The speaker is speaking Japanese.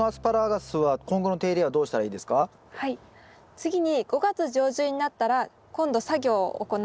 次に５月上旬になったら今度作業を行います。